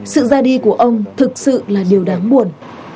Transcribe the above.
sự ra đi của ông thực sự là điều đáng buồn